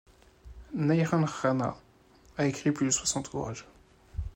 Niranjana a écrit plus de soixante ouvrages.